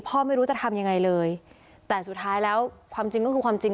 ไม่รู้จะทำยังไงเลยแต่สุดท้ายแล้วความจริงก็คือความจริง